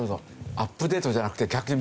アップデートじゃなくて逆に。